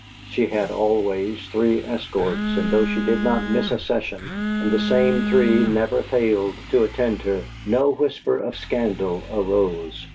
She had always three escorts, and though she did not miss a session, and the same three never failed to attend her, no whisper of scandal arose.